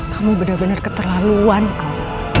kamu benar benar keterlaluan om